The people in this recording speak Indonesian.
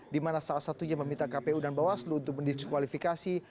dimana salah satunya meminta kpu dan bawaslu untuk mendiskualifikasi